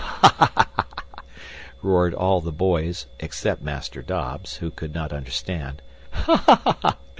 "Ha! ha!" roared all the boys except Master Dobbs, who could not understand. "Ha! ha!"